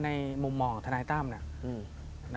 ในมุมมองของทนายต้ำเนี่ย